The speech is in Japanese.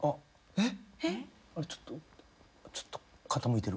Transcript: えっ？